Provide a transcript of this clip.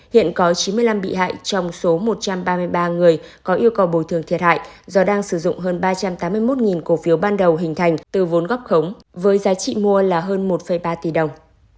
hiện có chín mươi năm bị hại trong số một trăm ba mươi ba người có yêu cầu bồi thường thiệt hại do đang sử dụng hơn ba trăm tám mươi một cổ phiếu ban đầu hình thành từ vốn góp khống với giá trị mua là hơn một ba tỷ đồng